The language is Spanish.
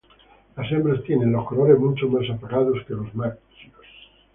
Las hembras tienen los colores mucho más apagados que los machos.